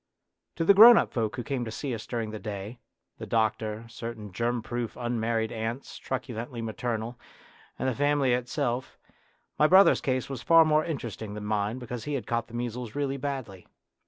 To the grown up folk who came to see us during the day the doctor, certain germ proof unmarried aunts, truculently maternal, and the family itself my brother's case was far more interesting than mine because he had caught the measles really badly.